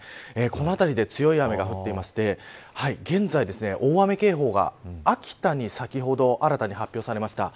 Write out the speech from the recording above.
この辺りで強い雨が降っていて現在、大雨警報が秋田に先ほど新たに発表されました。